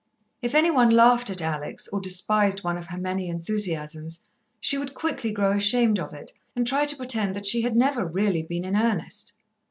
If any one laughed at Alex, or despised one of her many enthusiasms, she would quickly grow ashamed of it, and try to pretend that she had never really been in earnest.